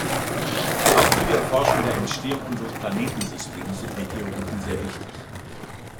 Auch für die Erforschung der Entstehung unseres Planetensystems sind Meteoriten sehr wichtig.